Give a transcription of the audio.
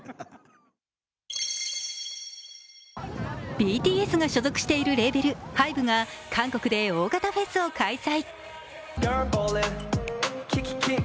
ＢＴＳが所属しているレーベルＨＹＢＥが韓国で大型フェスを開催。